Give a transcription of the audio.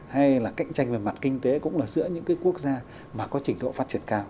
hay là cạnh tranh về mặt kinh tế cũng là giữa những cái quốc gia mà có trình độ phát triển cao